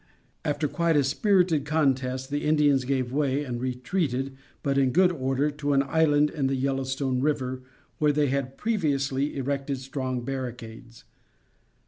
After quite a spirited contest, the Indians gave way and retreated, but in good order, to an island in the Yellow Stone River where they had previously erected strong barricades.